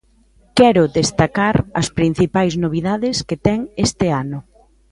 Quero destacar as principais novidades que ten este ano.